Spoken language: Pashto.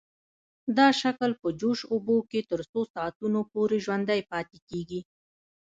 دا شکل په جوش اوبو کې تر څو ساعتونو پورې ژوندی پاتې کیږي.